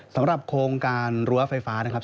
สำหรับโครงการรั้วไฟฟ้านะครับ